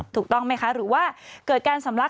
ถูกต้องไหมคะหรือว่าเกิดการสำลัก